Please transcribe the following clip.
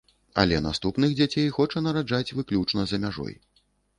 Але наступных дзяцей хоча нараджаць выключна за мяжой.